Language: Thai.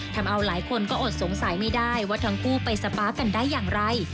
ทำเอาหลายคนก็อดสงสัยไม่ได้ว่าทั้งคู่ไปสปาร์คกันได้อย่างไร